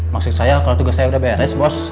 maksud saya kalau tugas saya sudah beres bos